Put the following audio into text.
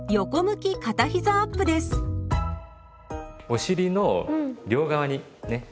お尻の両側にね